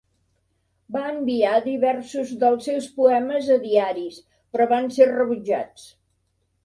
Va enviar diversos dels seus poemes a diaris, però van ser rebutjats.